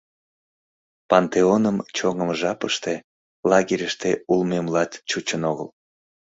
Пантеоным чоҥымо жапыште лагерьыште улмемлат чучын огыл.